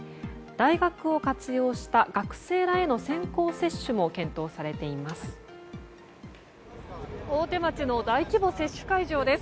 大学を活用した学生らへの先行接種も検討されています。